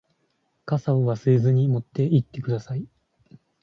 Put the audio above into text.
傘を忘れずに持って行ってください。